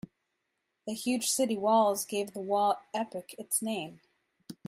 The huge city walls gave the wall epoch its name.